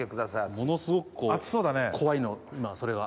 ものすごく怖いの今それが。